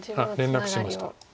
連絡しました。